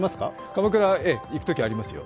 鎌倉、行くときありますよ。